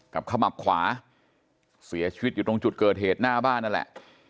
ขมับขวาเสียชีวิตอยู่ตรงจุดเกิดเหตุหน้าบ้านนั่นแหละ